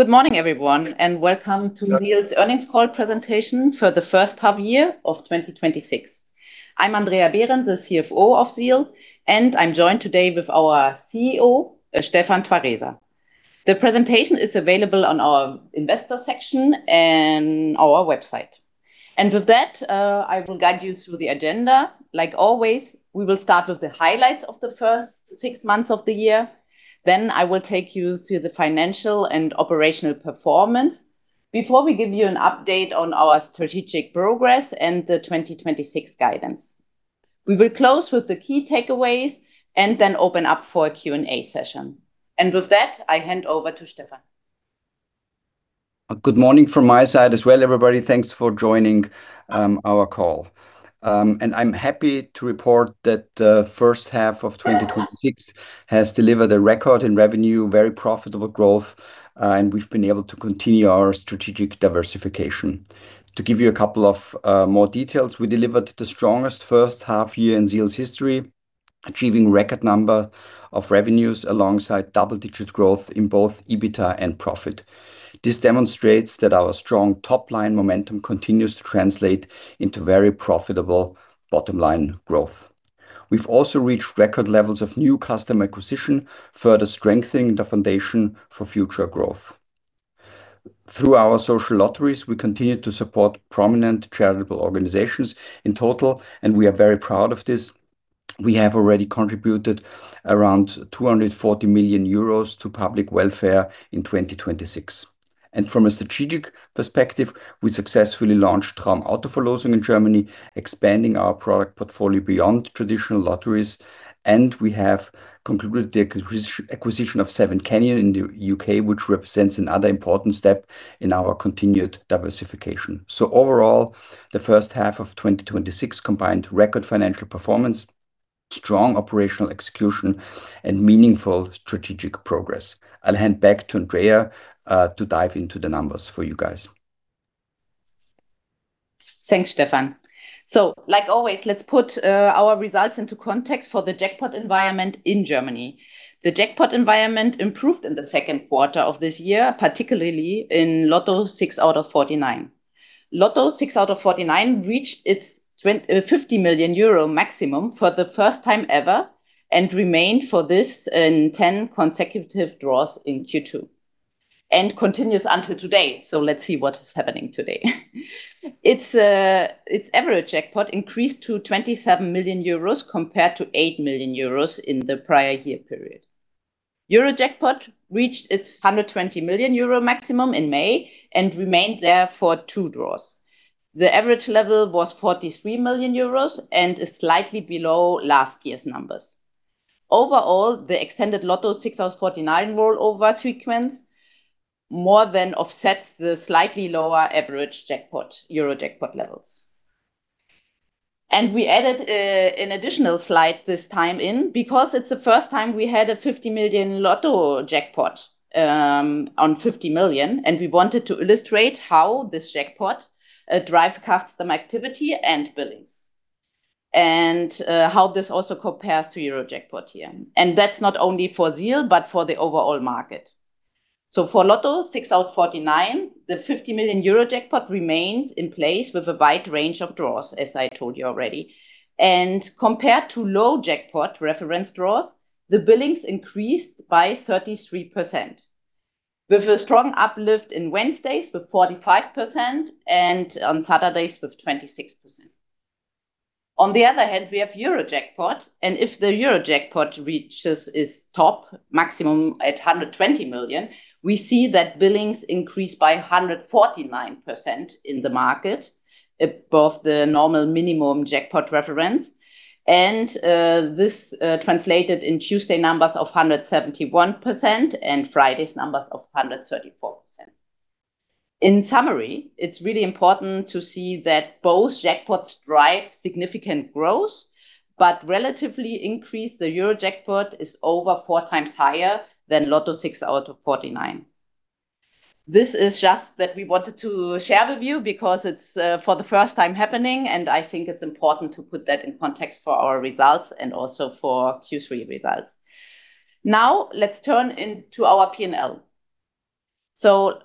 Good morning, everyone, welcome to ZEAL's earnings call presentation for the first half-year of 2026. I am Andrea Behrendt, the CFO of ZEAL, I am joined today with our CEO, Stefan Tweraser. The presentation is available on our investor section in our website. With that, I will guide you through the agenda. Like always, we will start with the highlights of the first six months of the year, I will take you through the financial and operational performance before we give you an update on our strategic progress and the 2026 guidance. We will close with the key takeaways open up for a Q&A session. With that, I hand over to Stefan. Good morning from my side as well, everybody. Thanks for joining our call. I am happy to report that the first half of 2026 has delivered a record in revenue, very profitable growth, and we've been able to continue our strategic diversification. To give you a couple of more details, we delivered the strongest first half-year in ZEAL's history, achieving record number of revenues alongside double-digit growth in both EBITDA and profit. This demonstrates that our strong top-line momentum continues to translate into very profitable bottom-line growth. We've also reached record levels of new customer acquisition, further strengthening the foundation for future growth. Through our social lotteries, we continue to support prominent charitable organizations in total, we are very proud of this. We have already contributed around 240 million euros to public welfare in 2026. From a strategic perspective, we successfully launched Traumautoverlosung in Germany, expanding our product portfolio beyond traditional lotteries, we have concluded the acquisition of SevenCanyon in the U.K., which represents another important step in our continued diversification. Overall, the first half of 2026 combined record financial performance, strong operational execution, and meaningful strategic progress. I'll hand back to Andrea to dive into the numbers for you guys. Thanks, Stefan. Like always, let's put our results into context for the jackpot environment in Germany. The jackpot environment improved in the second quarter of this year, particularly in LOTTO 6aus49. LOTTO 6aus49 reached its 50 million euro maximum for the first time ever remained for this in 10 consecutive draws in Q2, continues until today. Let's see what is happening today. Its average jackpot increased to 27 million euros compared to 8 million euros in the prior year period. Eurojackpot reached its 120 million euro maximum in May remained there for two draws. The average level was 43 million euros is slightly below last year's numbers. Overall, the extended LOTTO 6aus49 rollover sequence more than offsets the slightly lower average Eurojackpot levels. We added an additional slide this time in because it's the first time we had a 50 million LOTTO jackpot, on 50 million, and we wanted to illustrate how this jackpot drives customer activity and billings, and how this also compares to Eurojackpot here. That's not only for ZEAL, but for the overall market. For LOTTO 6aus49, the 50 million euro jackpot remained in place with a wide range of draws, as I told you already. Compared to low jackpot reference draws, the billings increased by 33%, with a strong uplift in Wednesdays with 45% and on Saturdays with 26%. On the other hand, we have Eurojackpot, and if the Eurojackpot reaches its top maximum at 120 million, we see that billings increase by 149% in the market above the normal minimum jackpot reference. This translated in Tuesday numbers of 171% and Friday's numbers of 134%. In summary, it's really important to see that both jackpots drive significant growth, but relatively increase the Eurojackpot is over four times higher than LOTTO 6aus49. This is just that we wanted to share with you because it's for the first time happening, and I think it's important to put that in context for our results and also for Q3 results. Let's turn into our P&L.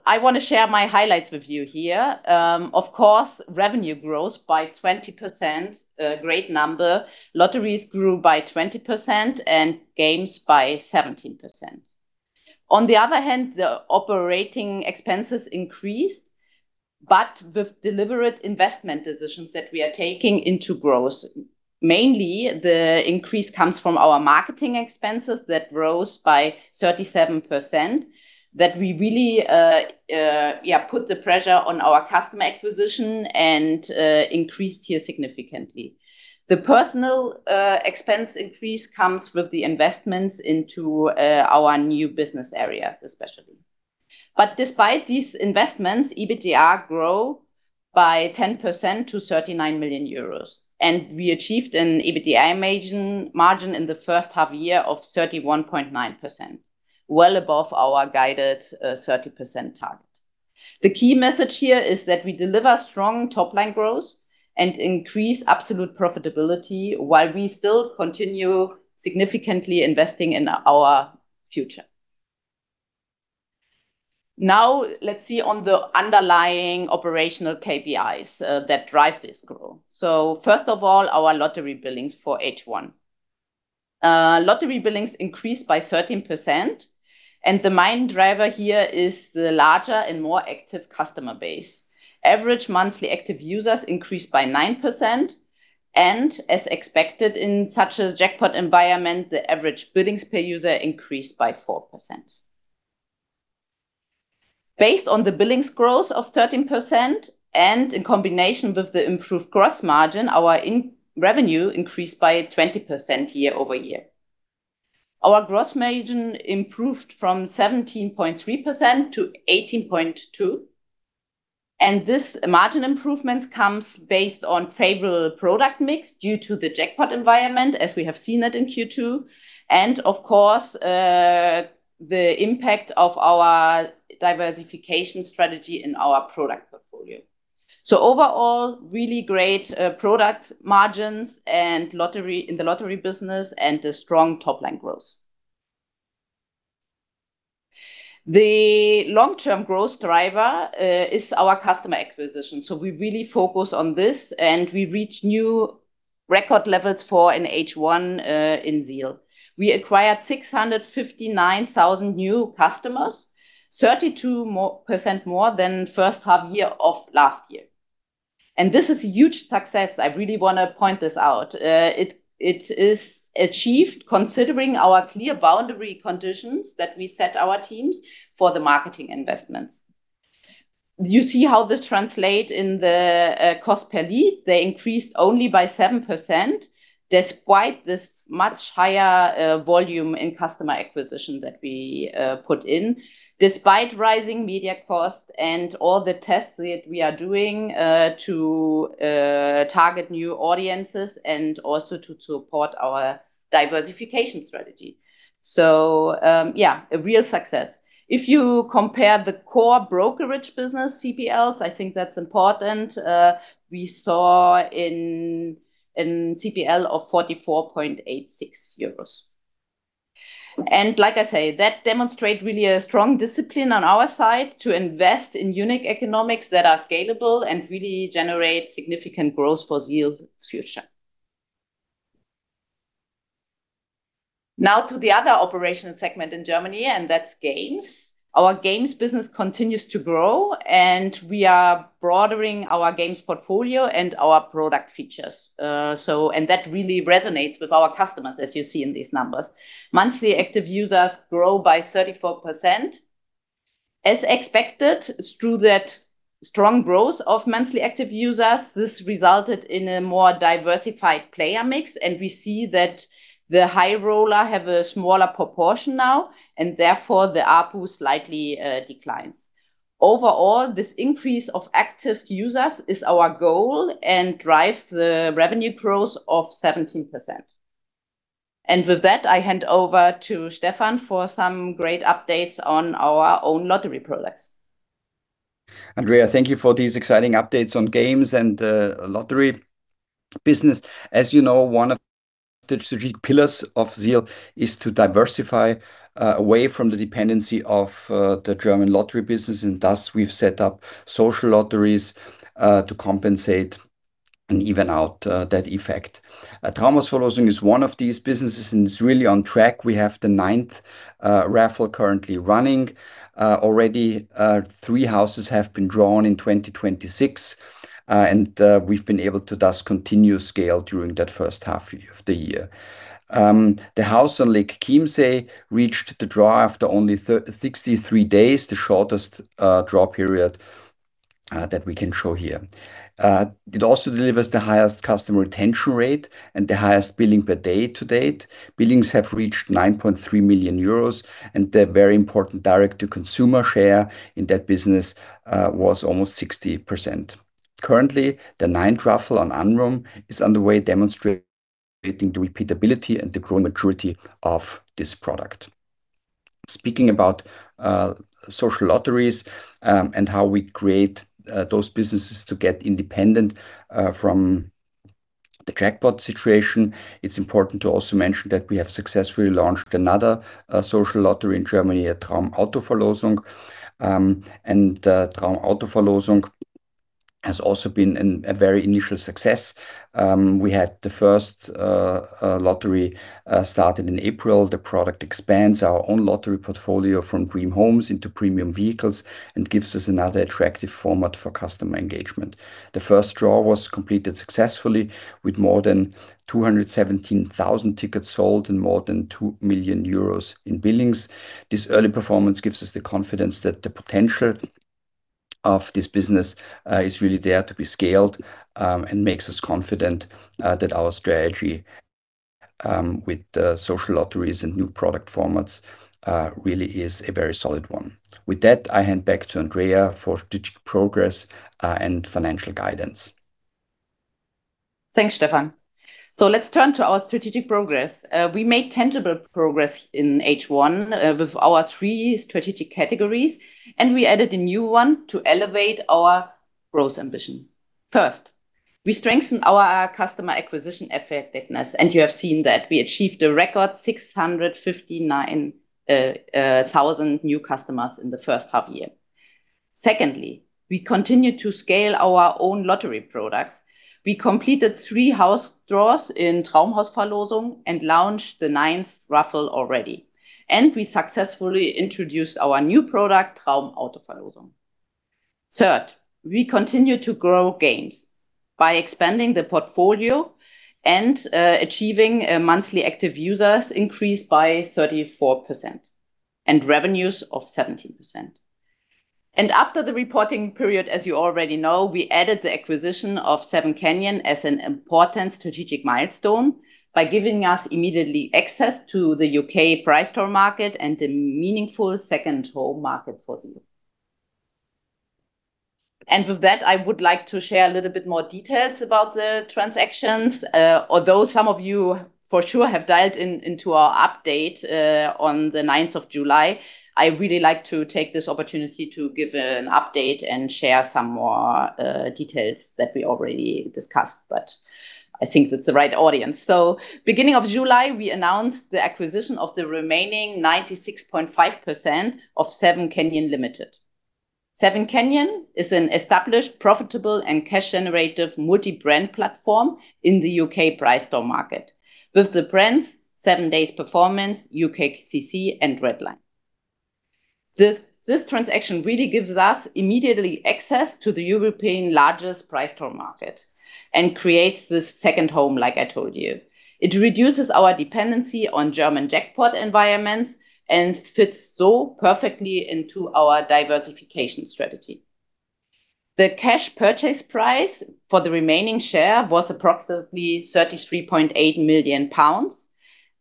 I want to share my highlights with you here. Of course, revenue grows by 20%, a great number. Lotteries grew by 20% and games by 17%. On the other hand, the operating expenses increased, but with deliberate investment decisions that we are taking into growth. Mainly, the increase comes from our marketing expenses that rose by 37%, that we really put the pressure on our customer acquisition and increased here significantly. The personnel expense increase comes with the investments into our new business areas, especially. Despite these investments, EBITDA grew by 10% to 39 million euros. We achieved an EBITDA margin in the first half-year of 31.9%, well above our guided 30% target. The key message here is that we deliver strong top-line growth and increase absolute profitability while we still continue significantly investing in our future. Let's see on the underlying operational KPIs that drive this growth. First of all, our lottery billings for H1. Lottery billings increased by 13%, and the main driver here is the larger and more active customer base. Monthly active users increased by 9%, and as expected in such a jackpot environment, the average billings per user increased by 4%. Based on the billings growth of 13% and in combination with the improved gross margin, our revenue increased by 20% year-over-year. Our gross margin improved from 17.3% to 18.2%, and this margin improvements comes based on favorable product mix due to the jackpot environment as we have seen that in Q2, and of course, the impact of our diversification strategy in our product portfolio. Overall, really great product margins in the lottery business and a strong top-line growth. The long-term growth driver is our customer acquisition. We really focus on this, and we reach new record levels for an H1 in ZEAL. We acquired 659,000 new customers, 32% more than first half-year of last year, and this is huge success. I really want to point this out. It is achieved considering our clear boundary conditions that we set our teams for the marketing investments. You see how this translate in the cost per lead. They increased only by 7%, despite this much higher volume in customer acquisition that we put in, despite rising media costs and all the tests that we are doing to target new audiences and also to support our diversification strategy. Yeah, a real success. If you compare the core brokerage business CPLs, I think that's important, we saw in CPL of 44.86 euros. Like I say, it demonstrate really a strong discipline on our side to invest in unique economics that are scalable and really generate significant growth for ZEAL's future. Now to the other operational segment in Germany, and that's games. Our games business continues to grow, we are broadening our games portfolio and our product features. That really resonates with our customers, as you see in monthly active users grow by 34%. As expected, through that strong monthly active users, this resulted in a more diversified player mix, and we see that the high roller have a smaller proportion now, and therefore, the ARPU slightly declines. Overall, this increase of active users is our goal and drives the revenue growth of 17%. With that, I hand over to Stefan for some great updates on our own lottery products. Andrea, thank you for these exciting updates on games and lottery business. As you know, one of the strategic pillars of ZEAL is to diversify away from the dependency of the German lottery business, thus, we've set up social lotteries to compensate and even out that effect. Traumhausverlosung is one of these businesses, and it's really on track. We have the ninth raffle currently running. Already three houses have been drawn in 2026. We've been able to thus continue scale during that first half of the year. The house on Lake Chiemsee reached the draw after only 63 days, the shortest draw period that we can show here. It also delivers the highest customer retention rate and the highest billing per day to date. Billings have reached 9.3 million euros, and the very important direct-to-consumer share in that business was almost 60%. Currently, the ninth raffle on Amrum is underway, demonstrating the repeatability and the growing maturity of this product. Speaking about social lotteries, and how we create those businesses to get independent from the jackpot situation, it's important to also mention that we have successfully launched another social lottery in Germany, Traumautoverlosung. Traumautoverlosung has also been a very initial success. We had the first lottery started in April. The product expands our own lottery portfolio from dream homes into premium vehicles and gives us another attractive format for customer engagement. The first draw was completed successfully with more than 217,000 tickets sold and more than 2 million euros in billings. This early performance gives us the confidence that the potential of this business is really there to be scaled, and makes us confident that our strategy with social lotteries and new product formats really is a very solid one. With that, I hand back to Andrea for strategic progress, and financial guidance. Thanks, Stefan. Let's turn to our strategic progress. We made tangible progress in H1 with our three strategic categories, and we added a new one to elevate our growth ambition. First, we strengthened our customer acquisition effectiveness, and you have seen that we achieved a record 659,000 new customers in the first half-year. Secondly, we continued to scale our own lottery products. We completed three house draws in Traumhausverlosung and launched the ninth raffle already, and we successfully introduced our new product, Traumautoverlosung. Third, we continued to grow games by expanding the portfolio monthly active users increased by 34% and revenues of 17%. After the reporting period, as you already know, we added the acquisition of SevenCanyon as an important strategic milestone by giving us immediately access to the U.K. prize draw market and a meaningful second home market for ZEAL. With that, I would like to share a little bit more details about the transactions. Although some of you for sure have dialed into our update on the 9th of July, I really like to take this opportunity to give an update and share some more details that we already discussed, but I think it's the right audience. Beginning of July, we announced the acquisition of the remaining 96.5% of SevenCanyon Limited. SevenCanyon is an established, profitable, and cash-generative multi-brand platform in the U.K. prize draw market with the brands 7days Performance, UKCC, and Redline. This transaction really gives us immediately access to the European largest prize draw market and creates this second home, like I told you. It reduces our dependency on German jackpot environments and fits so perfectly into our diversification strategy. The cash purchase price for the remaining share was approximately 33.8 million pounds,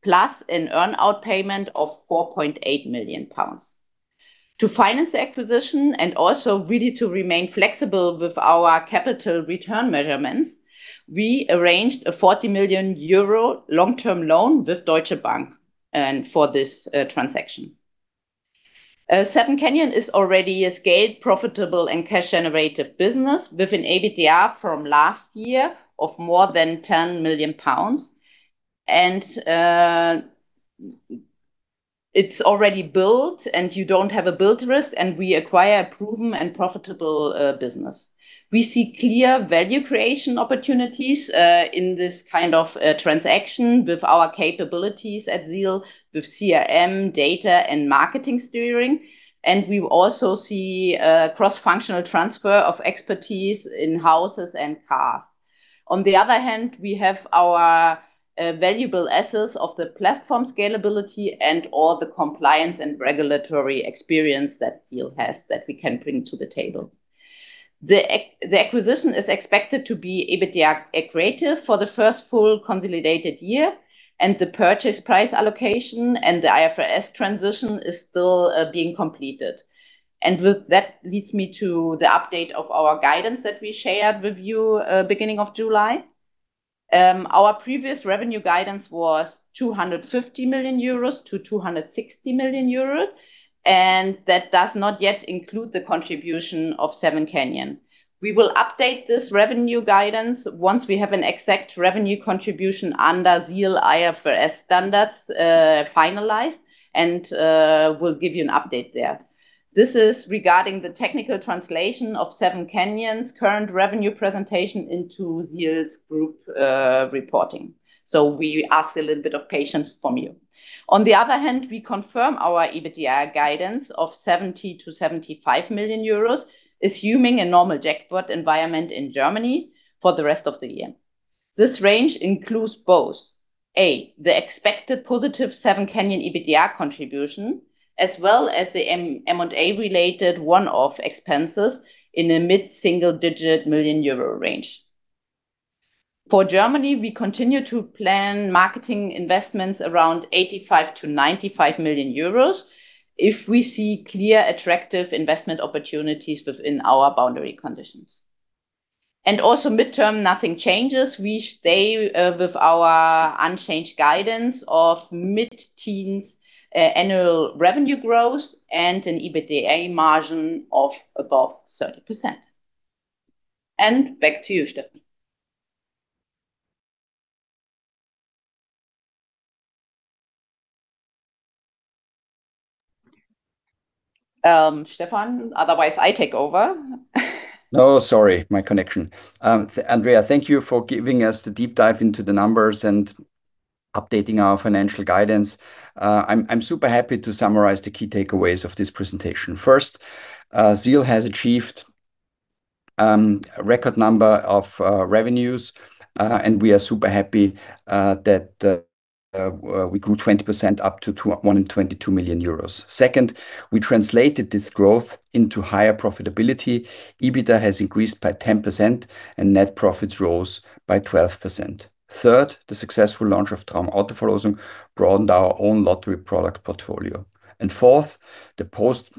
plus an earn-out payment of 4.8 million pounds. To finance the acquisition and also really to remain flexible with our capital return measurements, we arranged a 40 million euro long-term loan with Deutsche Bank for this transaction. SevenCanyon is already a scaled, profitable, and cash-generative business with an EBITDA from last year of more than 10 million pounds. It's already built, and you don't have a build risk, and we acquire a proven and profitable business. We see clear value creation opportunities in this kind of transaction with our capabilities at ZEAL with CRM, data, and marketing steering, and we also see a cross-functional transfer of expertise in houses and cars. We have our valuable assets of the platform scalability and all the compliance and regulatory experience that ZEAL has that we can bring to the table. The acquisition is expected to be EBITDA accretive for the first full consolidated year. The purchase price allocation and the IFRS transition is still being completed. That leads me to the update of our guidance that we shared with you beginning of July. Our previous revenue guidance was 250 million-260 million euros. That does not yet include the contribution of SevenCanyon. We will update this revenue guidance once we have an exact revenue contribution under ZEAL IFRS standards finalized. We will give you an update there. This is regarding the technical translation of SevenCanyon's current revenue presentation into ZEAL's group reporting. We ask a little bit of patience from you. We confirm our EBITDA guidance of 70 million-75 million euros, assuming a normal jackpot environment in Germany for the rest of the year. This range includes both, A, the expected positive SevenCanyon EBITDA contribution, as well as the M&A-related one-off expenses in a mid-single-digit million euro range. For Germany, we continue to plan marketing investments around 85 million-95 million euros if we see clear attractive investment opportunities within our boundary conditions. Also mid-term, nothing changes. We stay with our unchanged guidance of mid-teens annual revenue growth and an EBITDA margin of above 30%. Back to you, Stefan. Stefan? Otherwise, I take over. Sorry, my connection. Andrea, thank you for giving us the deep dive into the numbers and updating our financial guidance. I am super happy to summarize the key takeaways of this presentation. First, ZEAL has achieved a record number of revenues. We are super happy that we grew 20% up to 122 million euros. Second, we translated this growth into higher profitability. EBITDA has increased by 10%. Net profits rose by 12%. Third, the successful launch of Traumautoverlosung broadened our own lottery product portfolio. Fourth, the post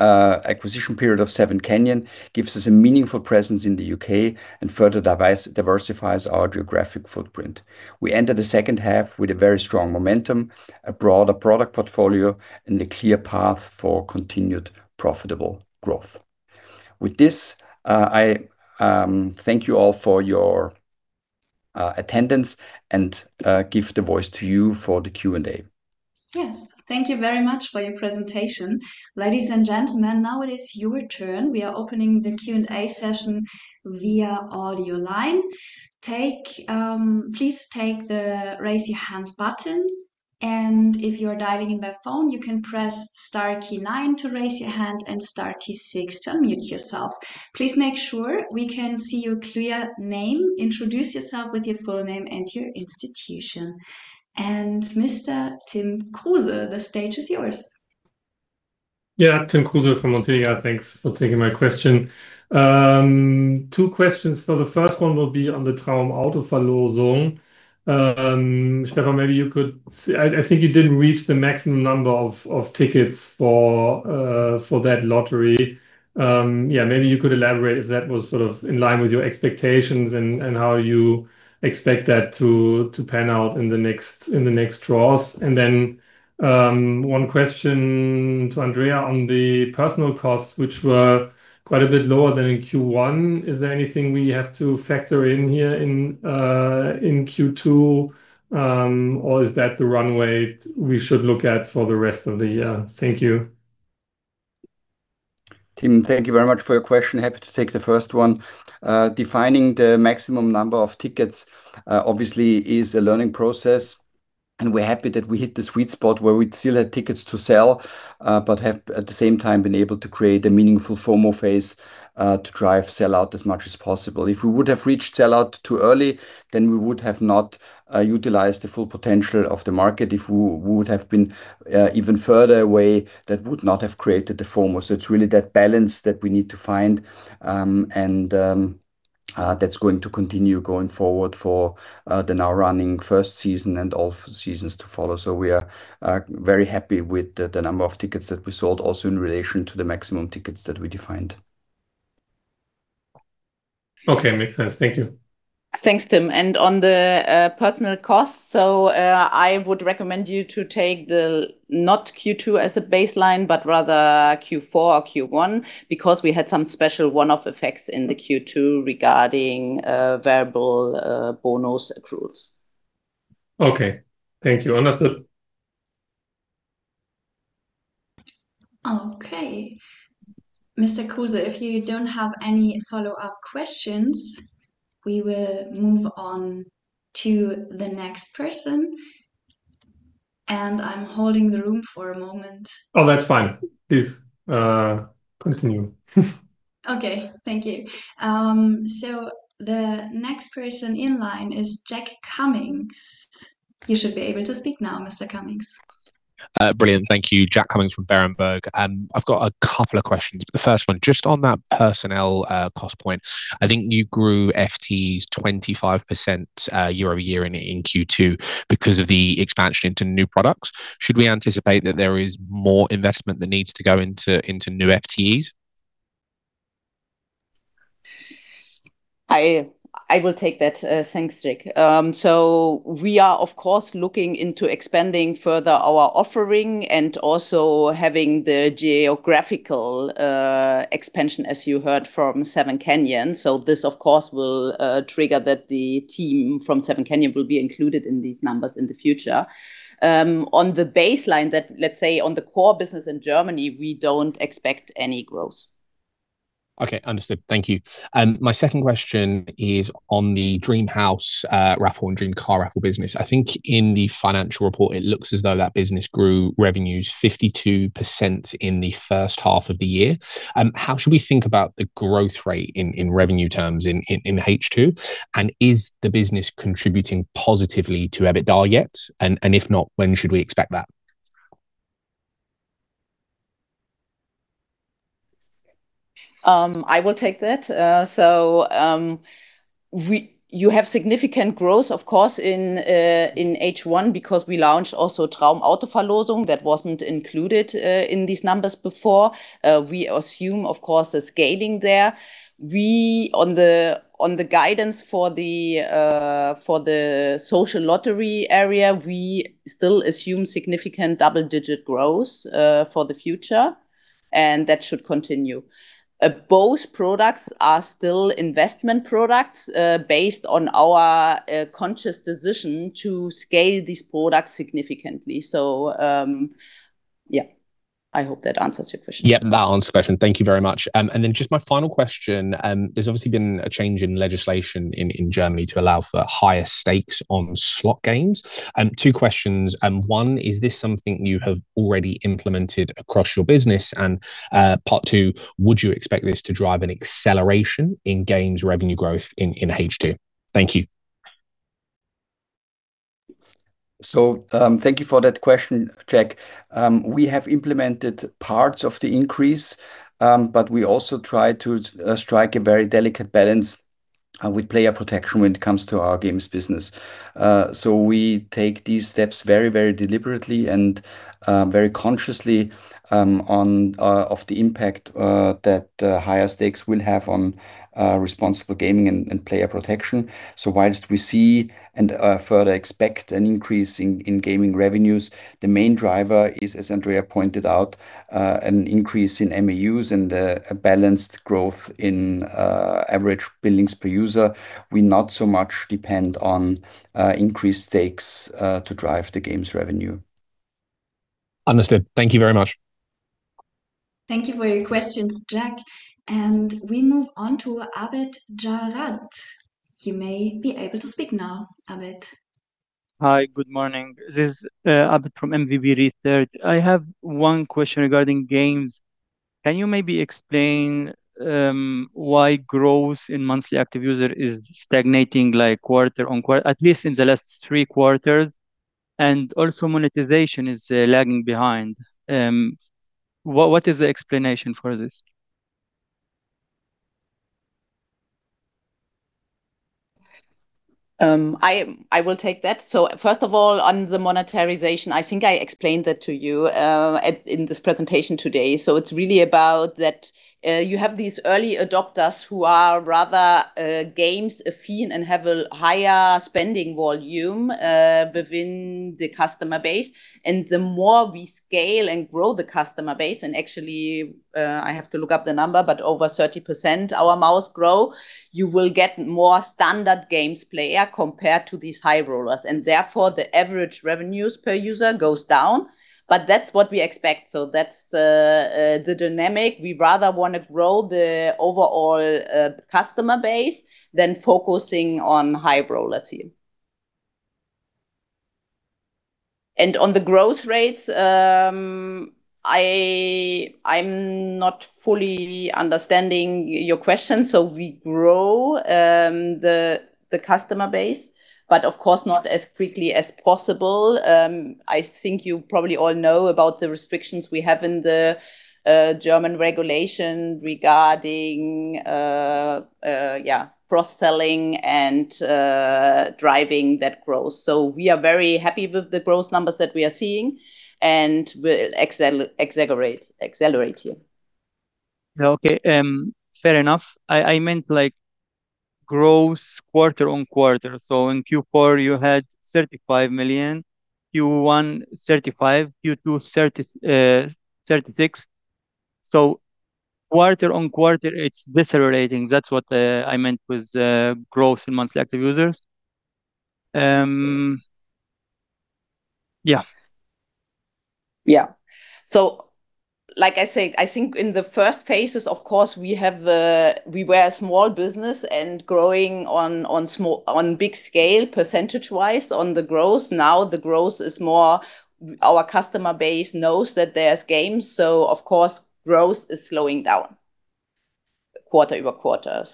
acquisition period of SevenCanyon gives us a meaningful presence in the U.K. and further diversifies our geographic footprint. We enter the second half with a very strong momentum, a broader product portfolio, and a clear path for continued profitable growth. With this, I thank you all for your attendance and give the voice to you for the Q&A. Yes. Thank you very much for your presentation. Ladies and gentlemen, now it is your turn. We are opening the Q&A session via audio line. Please take the Raise Your Hand button. If you are dialing in by phone, you can press star key nine to raise your hand and star key six to unmute yourself. Please make sure we can see your clear name. Introduce yourself with your full name and your institution. Mr. Tim Kruse, the stage is yours. Tim Kruse from Montega. Thanks for taking my question. Two questions. The first one will be on the Traumautoverlosung. Stefan, I think you didn't reach the maximum number of tickets for that lottery. Maybe you could elaborate if that was sort of in line with your expectations and how you expect that to pan out in the next draws. One question to Andrea on the personnel costs, which were quite a bit lower than in Q1. Is there anything we have to factor in here in Q2 or is that the runway we should look at for the rest of the year? Thank you. Tim, thank you very much for your question. Happy to take the first one. Defining the maximum number of tickets, obviously, is a learning process, and we're happy that we hit the sweet spot where we still had tickets to sell, but have at the same time been able to create a meaningful FOMO phase to drive sell-out as much as possible. If we would have reached sell-out too early, then we would have not utilized the full potential of the market. If we would have been even further away, that would not have created the FOMO. It's really that balance that we need to find, and that's going to continue going forward for the now running first season and all seasons to follow. We are very happy with the number of tickets that we sold also in relation to the maximum tickets that we defined. Okay. Makes sense. Thank you. Thanks, Tim. On the personnel costs, I would recommend you to take the not Q2 as a baseline, but rather Q4 or Q1 because we had some special one-off effects in the Q2 regarding variable bonus accruals. Okay. Thank you. Understood. Okay. Mr. Kruse, if you don't have any follow-up questions, we will move on to the next person. I'm holding the room for a moment. That's fine. Please, continue. Okay. Thank you. The next person in line is Jack Cummings. You should be able to speak now, Mr. Cummings. Brilliant. Thank you. Jack Cummings from Berenberg. I've got a couple of questions. The first one just on that personnel cost point. I think you grew FTEs 25% year-over-year in Q2 because of the expansion into new products. Should we anticipate that there is more investment that needs to go into new FTEs? I will take that. Thanks, Jack. We are, of course, looking into expanding further our offering and also having the geographical expansion, as you heard, from SevenCanyon. This, of course, will trigger that the team from SevenCanyon will be included in these numbers in the future. On the baseline that, let's say, on the core business in Germany, we don't expect any growth. Okay. Understood. Thank you. My second question is on the Dream House raffle and Dream Car raffle business. I think in the financial report, it looks as though that business grew revenues 52% in the first half of the year. How should we think about the growth rate in revenue terms in H2, and is the business contributing positively to EBITDA yet? If not, when should we expect that? I will take that. You have significant growth, of course, in H1 because we launched also Traumautoverlosung. That wasn't included in these numbers before. We assume, of course, a scaling there. On the guidance for the social lottery area, we still assume significant double-digit growth for the future, and that should continue. Both products are still investment products based on our conscious decision to scale these products significantly. Yeah. I hope that answers your question. Yeah, that answers the question. Thank you very much. Just my final question. There's obviously been a change in legislation in Germany to allow for higher stakes on slot games. Two questions. One, is this something you have already implemented across your business? Part two, would you expect this to drive an acceleration in games revenue growth in H2? Thank you. Thank you for that question, Jack. We have implemented parts of the increase, but we also try to strike a very delicate balance with player protection when it comes to our games business. We take these steps very deliberately and very consciously of the impact that higher stakes will have on responsible gaming and player protection. Whilst we see and further expect an increase in gaming revenues, the main driver is, as Andrea pointed out, an increase in MAUs and a balanced growth in average billings per user. We not so much depend on increased stakes to drive the games revenue. Understood. Thank you very much. Thank you for your questions, Jack. We move on to Abed Jarad. You may be able to speak now, Abed. Hi, good morning. This is Abed from mwb research. I have one question regarding games. Can you maybe explain why growth in monthly active user is stagnating quarter-on-quarter, at least in the last three quarters? Also monetization is lagging behind. What is the explanation for this? I will take that. First of all, on the monetization, I think I explained that to you in this presentation today. It's really about that you have these early adopters who are rather games affin and have a higher spending volume within the customer base. The more we scale and grow the customer base, and actually I have to look up the number, but over 30% our MAUs grow, you will get more standard games player compared to these high rollers. Therefore, the average revenue per user goes down. That's what we expect. That's the dynamic. We rather want to grow the overall customer base than focusing on high rollers here. On the growth rates, I'm not fully understanding your question. We grow the customer base, but of course, not as quickly as possible. I think you probably all know about the restrictions we have in the German regulation regarding cross-selling and driving that growth. We are very happy with the growth numbers that we are seeing, and we'll accelerate here. Okay. Fair enough. I meant like growth quarter-on-quarter. In Q4, you had 35 million, Q1 35 million, Q2 36 million. Quarter-on-quarter, it's decelerating. That's what I meant with growth in monthly active users. Like I said, I think in the first phases, of course, we were a small business and growing on big scale, percentage-wise on the growth. Now the growth is more our customer base knows that there's games, of course, growth is slowing down quarter-over-quarter.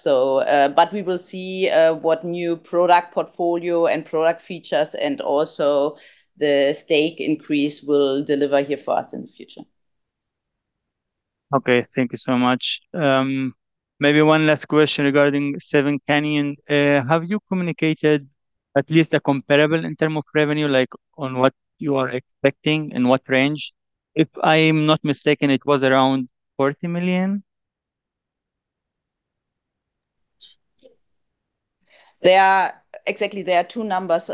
We will see what new product portfolio and product features and also the stake increase will deliver here for us in the future. Okay. Thank you so much. Maybe one last question regarding SevenCanyon. Have you communicated at least a comparable in terms of revenue, like on what you are expecting, in what range? If I'm not mistaken, it was around 40 million. Exactly, there are two numbers.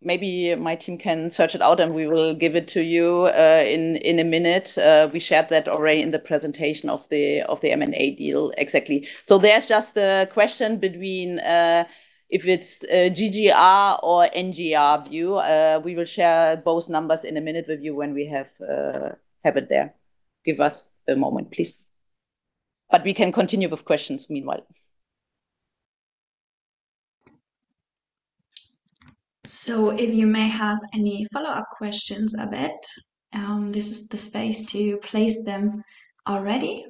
Maybe my team can search it out and we will give it to you in a minute. We shared that already in the presentation of the M&A deal exactly. There's just a question between if it's GGR or NGR view. We will share both numbers in a minute with you when we have it there. Give us a moment, please. We can continue with questions meanwhile. If you may have any follow-up questions, Abed, this is the space to place them already.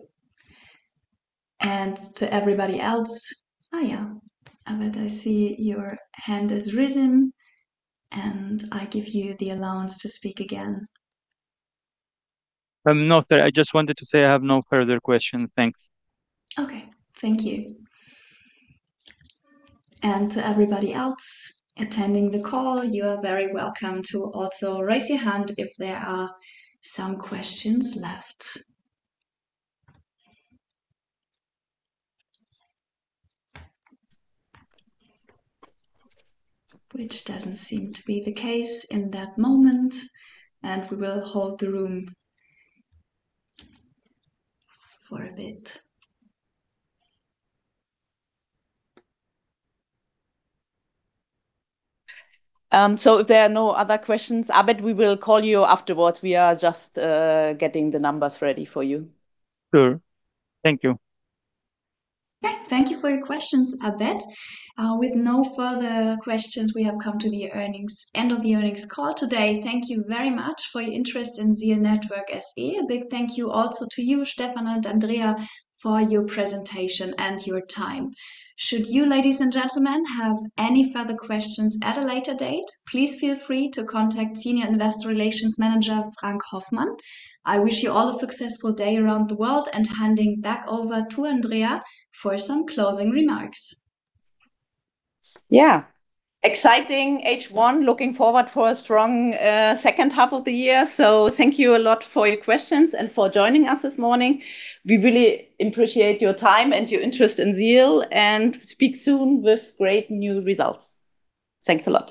To everybody else-- Oh, yeah. Abed, I see your hand is risen, and I give you the allowance to speak again. No, I just wanted to say I have no further question. Thanks. Okay. Thank you. To everybody else attending the call, you are very welcome to also raise your hand if there are some questions left. Which doesn't seem to be the case in that moment, and we will hold the room for a bit. If there are no other questions, Abed, we will call you afterwards. We are just getting the numbers ready for you. Sure. Thank you. Thank you for your questions, Abed. With no further questions, we have come to the end of the earnings call today. Thank you very much for your interest in ZEAL Network SE. A big thank you also to you, Stefan and Andrea, for your presentation and your time. Should you, ladies and gentlemen, have any further questions at a later date, please feel free to contact Senior Investor Relations Manager Frank Hoffmann. I wish you all a successful day around the world, and handing back over to Andrea for some closing remarks. Exciting H1. Looking forward for a strong second half of the year. Thank you a lot for your questions and for joining us this morning. We really appreciate your time and your interest in ZEAL, and speak soon with great new results. Thanks a lot